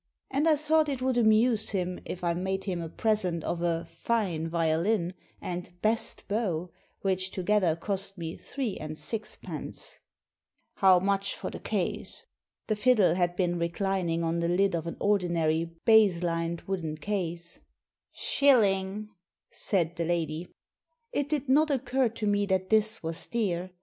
And I thought it would amuse him if 92 Digitized by VjOOQIC THE VIOLIN 93 I made him a present of a " fine violin " and best bow," which together cost me three and sixpence. " How much for the case ?" The fiddle had been reclining on the lid of an ordinary baize lined wooden case. "Shilling," said the lady. It did not occur to me that this was dear.